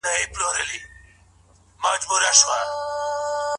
جرګه په هغو سیمو کي چي حکومت لاسرسی نه لري، د قانون خلا ډکوي.